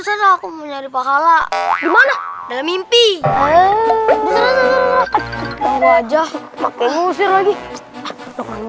sehingga bagaimana hai baca maka usir lagi